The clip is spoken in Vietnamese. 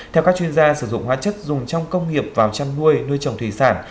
theo các chuyên gia sử dụng hóa chất dùng trong công nghiệp vào chăn nuôi nuôi trồng thủy sản